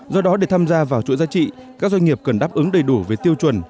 do đó để tham gia vào chuỗi giá trị các doanh nghiệp cần đáp ứng đầy đủ về tiêu chuẩn